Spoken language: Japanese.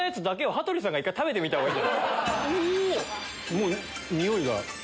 もうにおいが。